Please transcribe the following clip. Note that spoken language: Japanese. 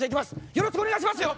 よろしくお願いしますよ！